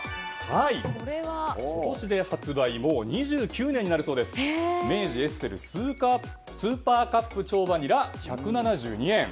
今年で発売２９年になるそうです明治エッセルスーパーカップ超バニラ、１７２円。